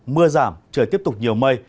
mưa giảm trời tiếp tục nhiều mây